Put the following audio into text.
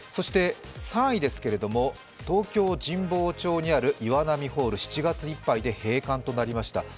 ３位ですけれども、東京・神保町にある岩波ホール、７月いっぱいで閉館となりました。